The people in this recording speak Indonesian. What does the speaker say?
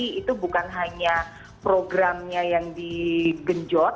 jadi itu bukan hanya programnya yang digenjot